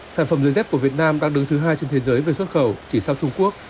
sản phẩm dồi dép của việt nam đang đứng thứ hai trên thế giới về xuất khẩu chỉ sau trung quốc